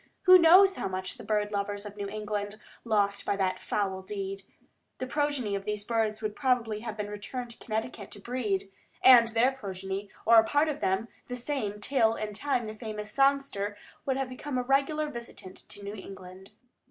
Who knows how much the bird lovers of New England lost by that foul deed? The progeny of the birds would probably have returned to Connecticut to breed, and their progeny, or a part of them, the same, till in time the famous songster would have become a regular visitant to New England.